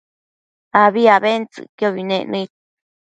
abi abentsëcquiobi nec nëid